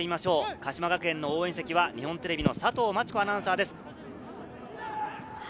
鹿島学園の応援席は日本テレビの佐藤真知子アナウンサーです。